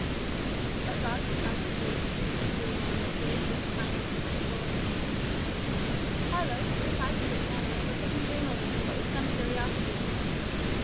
"But God can comfort you," Juliano repeated with a kind of wistful earnestness. Carlos, surprised at his manner, looked at him dreamily, but with some curiosity.